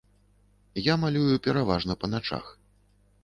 Я малюю пераважна па начах.